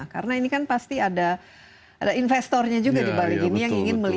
karena ini kan pasti ada investornya juga dibalik ini